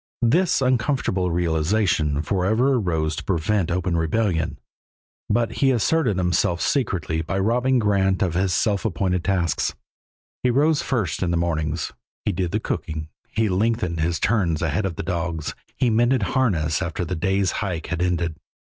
This uncomfortable realization forever arose to prevent open rebellion, but he asserted himself secretly by robbing Grant of his self appointed tasks. He rose first in the mornings, he did the cooking, he lengthened his turns ahead of the dogs, he mended harness after the day's hike had ended.